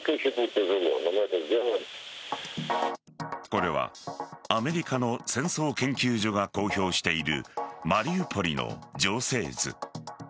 これは、アメリカの戦争研究所が公表しているマリウポリの情勢図。